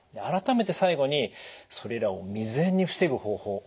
改めて最後にそれらを未然に防ぐ方法